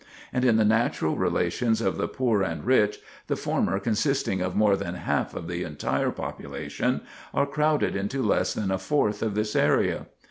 And in the natural relations of the poor and rich, the former consisting of more than half of the entire population, are crowded into less than a fourth of this area.